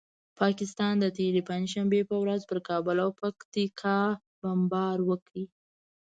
پاکستان د تېرې پنجشنبې په ورځ پر کابل او پکتیکا بمبار وکړ.